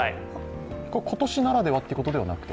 今年ならではということではなくて？